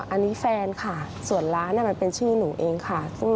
อันนี้แฟนค่ะส่วนร้านมันเป็นชื่อหนูเองค่ะ